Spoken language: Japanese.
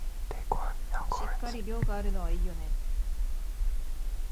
しっかり量があるのはいいよね